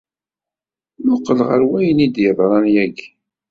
Mmuqqel ɣer wayen ay yeḍran yagi.